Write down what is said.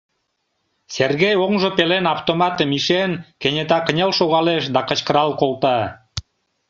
Сергей, оҥжо пелен автоматым ишен, кенета кынел шогалеш да кычкырал колта: